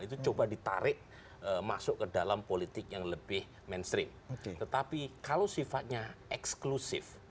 itu coba ditarik masuk ke dalam politik yang lebih mainstream tetapi kalau sifatnya eksklusif